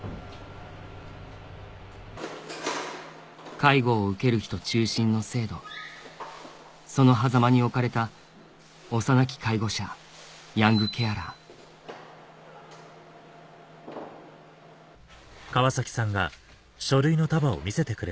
介護を受ける人中心の制度その狭間に置かれた幼き介護者ヤングケアラー川崎さん